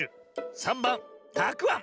３ばん「たくあん」。